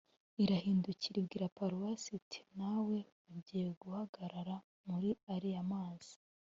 “irahindukira ibwira warupyisi iti: “nawe ugiye guhagarara muri ariya mazi,